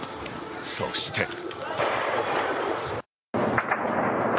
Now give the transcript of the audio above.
そして。